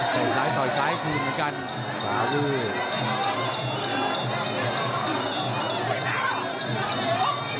ถือช้ายต่อช้ายคูณเหมือนกันสาหวือ